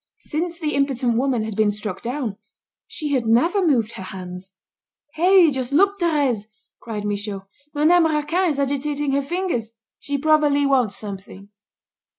Since the impotent woman had been struck down, she had never moved her hands. "Hey! Just look, Thérèse," cried Michaud. "Madame Raquin is agitating her fingers. She probably wants something."